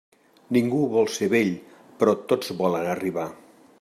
Ningú vol ser vell, però tots volen arribar.